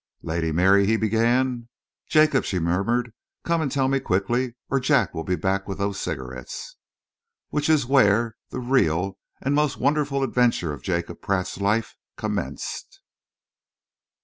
"Lady Mary " he began. "Jacob," she murmured, "come and tell me quickly, or Jack will be back with those cigarettes." Which is where the real and most wonderful adventure of Jacob Pratt's life commenced.